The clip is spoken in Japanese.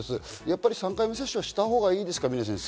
３回目接種はしたほうがいいですか？